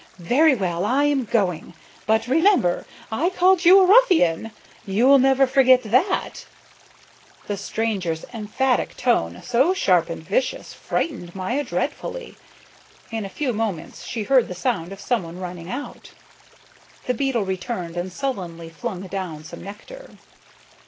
Very well, I am going. But remember, I called you a ruffian. You'll never forget that." The stranger's emphatic tone, so sharp and vicious, frightened Maya dreadfully. In a few moments she heard the sound of someone running out. The beetle returned and sullenly flung down some nectar.